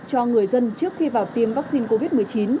cho người dân trước khi vào tiêm vaccine covid một mươi chín